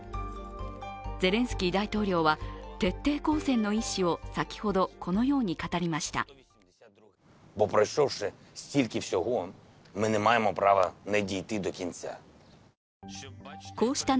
ゼレンスキー大統領は徹底抗戦の意思を先ほど、このように語りました。